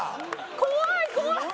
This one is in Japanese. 怖い怖い！